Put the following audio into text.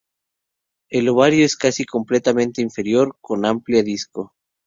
El ovario es casi completamente inferior, con amplia disco.